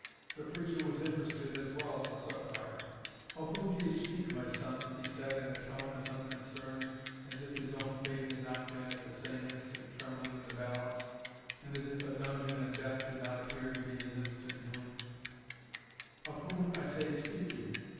The preacher was interested as well as the Sub Prior. "Of whom do you speak, my son?" he said, in a tone as unconcerned as if his own fate had not been at the same instant trembling in the balance, and as if a dungeon and death did not appear to be his instant doom "Of whom, I say, speak you?